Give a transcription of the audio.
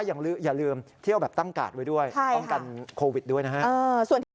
อย่าลืมเที่ยวแบบตั้งกาดไว้ด้วยป้องกันโควิดด้วยนะฮะ